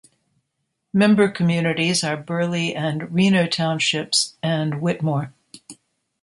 Member communities are Burleigh and Reno townships and Whittemore.